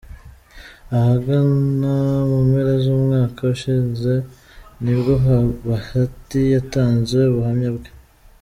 Ahagana mu mpera z'umwaka ushize nibwo Bahati yatanze ubuhamya bwe.